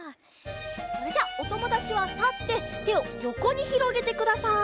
それじゃおともだちはたっててをよこにひろげてください。